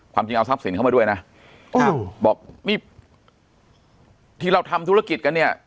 จริงเอาทรัพย์สินเข้ามาด้วยนะบอกนี่ที่เราทำธุรกิจกันเนี่ย